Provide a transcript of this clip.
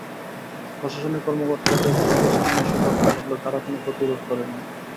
প্রশাসনের কর্মকর্তাদের চোখের সামনে এসব ঘটনা ঘটলেও তাঁরা কোনো প্রতিরোধ করেননি।